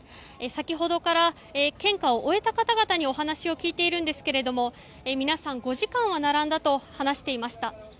先ほどから、献花を終えた方々にお話を聞いているんですが皆さん、５時間は並んだと話していました。